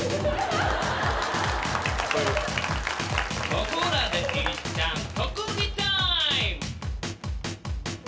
ここらでいったん特技タイム！